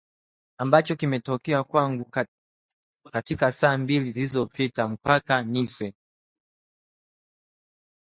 ambacho kimetokea kwangu katika saa mbili zilizopita; mpaka nife